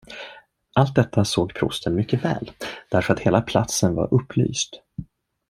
Allt detta såg prosten mycket väl, därför att hela platsen var upplyst.